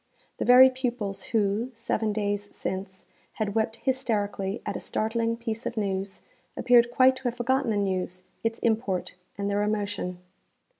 The very pupils who, seven days since, had wept hysterically at a startling piece of news, appeared quite to have forgotten the news, its import, and their emotion.